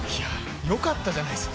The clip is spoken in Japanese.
よかったじゃないです